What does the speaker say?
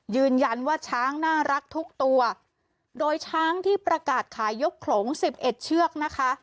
ยืนยันว่าช้างน่ารักทุกตัวโดยช้างที่ประกาศขายยกโขลงสิบเอ็ดเชือกนะคะ